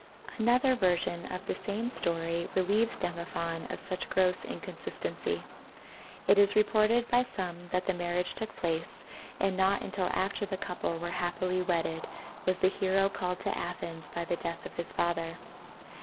Another version of the same story relieves Demophon of such gross inconstancy. It is reported by some that the marriage took place and not until after the couple were happily wedded was the hero called to Athens by the death of his father.